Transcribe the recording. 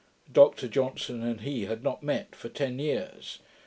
Dr Johnson and he had not met for ten years.